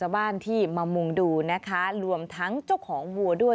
บ้านที่มามุงดูนะคะรวมทั้งเจ้าของวัวด้วย